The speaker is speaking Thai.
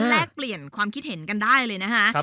แลกเปลี่ยนความคิดเห็นกันได้เลยนะคะ